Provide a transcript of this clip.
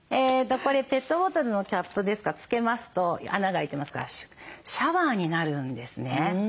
これペットボトルのキャップですが付けますと穴が開いてますからシャワーになるんですね。